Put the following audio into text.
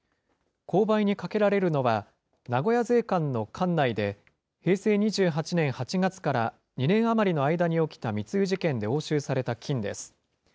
公売にかけられるのは、名古屋税関の管内で、平成２８年８月から２年余りの間に起きた密輸事件で押収された金です。